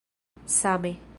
Same.